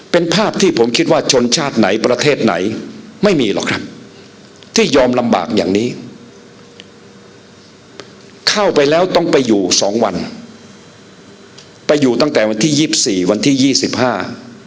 เป็นภาพที่ผมคิดว่าชนชาติไหนประเทศไหนไม่มีหรอกครับที่ยอมลำบากอย่างนี้เข้าไปแล้วต้องไปอยู่สองวันไปอยู่ตั้งแต่วันที่ยี่สิบสี่วันที่ยี่สิบห้า